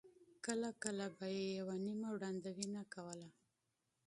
کله کله به یې یوه نیمه وړاندوینه کوله.